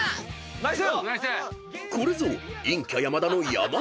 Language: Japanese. ナイス！